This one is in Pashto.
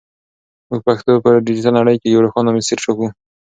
موږ پښتو ته په ډیجیټل نړۍ کې یو روښانه مسیر ټاکو.